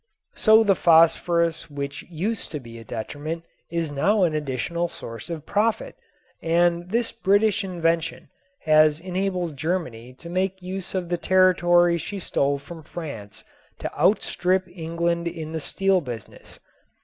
So the phosphorus which used to be a detriment is now an additional source of profit and this British invention has enabled Germany to make use of the territory she stole from France to outstrip England in the steel business.